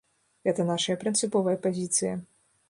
Гэта нашая прынцыповая пазіцыя.